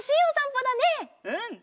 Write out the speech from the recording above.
うん！